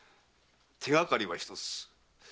手がかりは一つ。